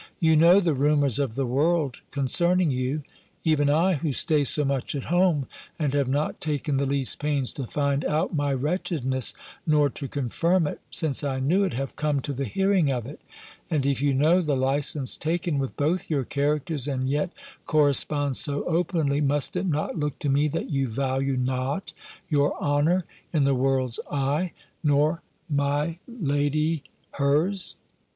You know the rumours of the world concerning you: Even I, who stay so much at home, and have not taken the least pains to find out my wretchedness, nor to confirm it, since I knew it, have come to the hearing of it; and if you know the licence taken with both your characters, and yet correspond so openly, must it not look to me that you value not your honour in the world's eye, nor my lady hers?